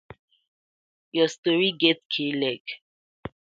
Your story get k-leg!